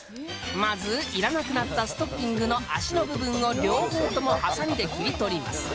まずいらなくなったストッキングの足の部分を両方ともはさみで切り取ります。